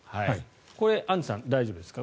アンジュさん大丈夫ですか。